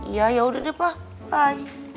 iya yaudah deh pa bye